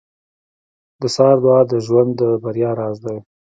• د سهار دعا د ژوند د بریا راز دی.